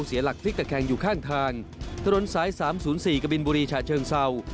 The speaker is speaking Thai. เสียหลักพลิกตะแคงอยู่ข้างทางถนนสาย๓๐๔กบินบุรีชาเชิงเศร้า